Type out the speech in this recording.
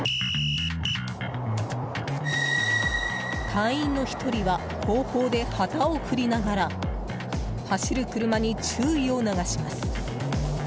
隊員の１人は後方で旗を振りながら走る車に注意を促します。